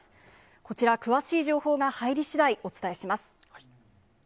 こちら、詳しい情報が入りしだい、お伝えします。